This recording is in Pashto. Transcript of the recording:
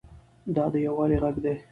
دا د یووالي غږ دی.